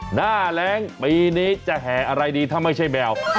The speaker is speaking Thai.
หน้าแรงปีนี้จะแห่อะไรดีถ้าไม่ใช่แมว